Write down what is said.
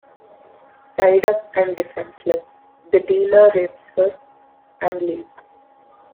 Tied up and defenseless, the dealer rapes her and leaves.